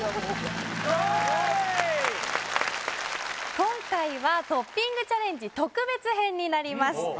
今回はトッピングチャレンジ特別編になります